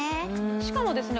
しかもですね